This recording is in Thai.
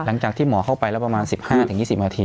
หลังจากที่หมอเข้าไปแล้วประมาณ๑๕๒๐นาที